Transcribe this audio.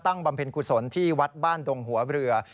บำเพ็ญกุศลที่วัดบ้านดงหัวเรือ